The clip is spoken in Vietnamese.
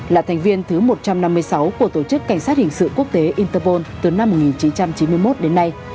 là thành viên thứ một trăm năm mươi sáu của tổ chức cảnh sát hình sự quốc tế interpol từ năm một nghìn chín trăm chín mươi một đến nay